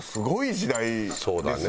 そうだね。